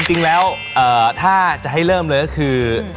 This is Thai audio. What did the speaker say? จริงแล้วถ้าจะให้เริ่มเลยก็คือ